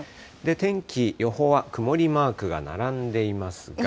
天気、予報は曇りマークが並んでいますが。